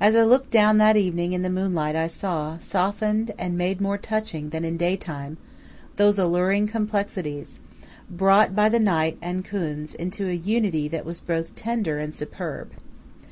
As I looked down that evening in the moonlight I saw, softened and made more touching than in day time, those alluring complexities, brought by the night and Khuns into a unity that was both tender and superb.